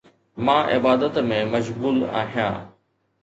مان عبادت ۾ مشغول آهيان